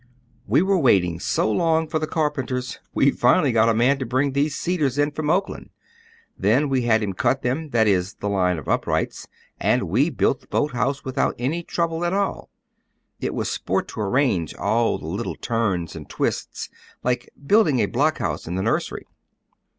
"We were waiting so long for the carpenters, we finally got a man to bring these cedars in from Oakland. Then we had him cut them, that is, the line of uprights, and we built the boathouse without any trouble at all. It was sport to arrange all the little turns and twists, like building a block house in the nursery."